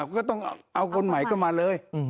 ก็ต้องเอาคนใหม่เข้ามาเลย